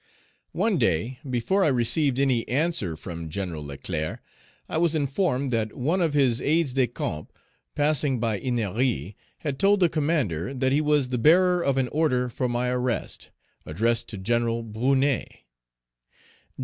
One day, before I received any answer from Gen. Leclerc, I was informed that one of his aides de camp, passing by Ennery, had told the commander that he was the bearer of an order for my arrest, addressed to Gen. Brunet. Gen.